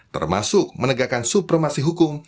termasuk menegakkan supremasi hukum